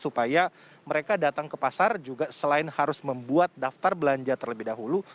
supaya mereka datang ke pasar juga selain harus membuat daftar belanja terlebih dahulu